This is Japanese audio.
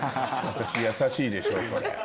私優しいでしょこれ。